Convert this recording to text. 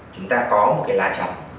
chúng ta có một cái la chậm